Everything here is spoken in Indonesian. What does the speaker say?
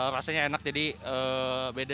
rasanya enak jadi beda